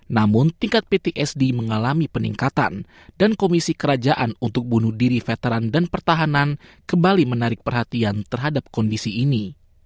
namun tingkat ptsd mengalami peningkatan dan komisi kerajaan untuk bunuh diri veteran dan pertahanan kembali menarik perhatian terhadap kondisi ini